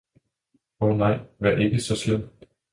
Oh nej! vær ikke så slem!